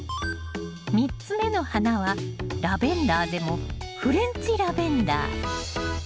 ３つ目の花はラベンダーでもフレンチラベンダー。